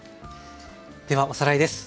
ではおさらいです。